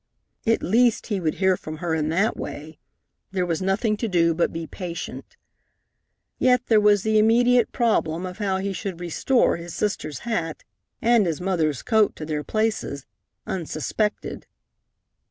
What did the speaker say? At least, he would hear from her in that way. There was nothing to do but be patient. Yes, there was the immediate problem of how he should restore his sister's hat and his mother's coat to their places, unsuspected.